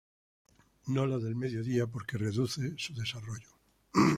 No la del medio día porque reduce su desarrollo.